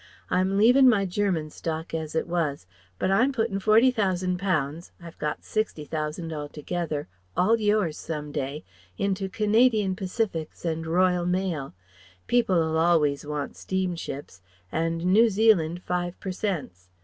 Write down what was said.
I'm leavin' my German stock as it was, but I'm puttin' Forty thousand pounds I've got Sixty thousand altogether all yours some day into Canadian Pacifics and Royal Mail people 'll always want steamships and New Zealand Five per cents.